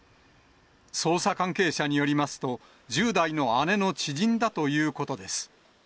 捜査関係者によりますと、１０代の姉の知人だということです。